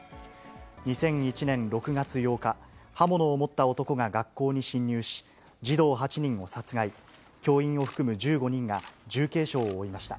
２００１年６月８日、刃物を持った男が学校に侵入し、児童８人を殺害、教員を含む１５人が重軽傷を負いました。